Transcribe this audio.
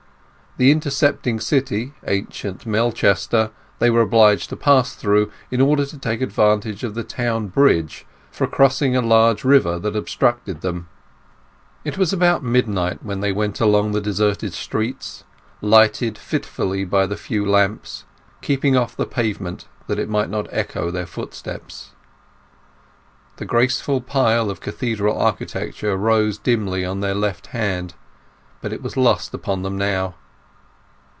The intercepting city, ancient Melchester, they were obliged to pass through in order to take advantage of the town bridge for crossing a large river that obstructed them. It was about midnight when they went along the deserted streets, lighted fitfully by the few lamps, keeping off the pavement that it might not echo their footsteps. The graceful pile of cathedral architecture rose dimly on their left hand, but it was lost upon them now.